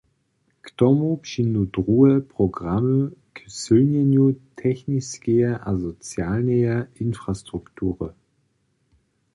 K tomu přińdu druhe programy k sylnjenju techniskeje a socialneje infrastruktury.